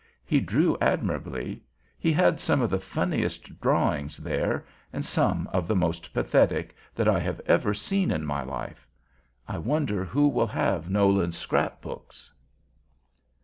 He drew admirably. He had some of the funniest drawings there, and some of the most pathetic, that I have ever seen in my life. I wonder who will have Nolan's scrapbooks.